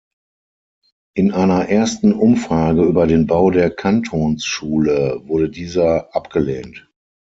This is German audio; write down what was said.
In einer ersten Umfrage über den Bau der Kantonsschule wurde dieser abgelehnt.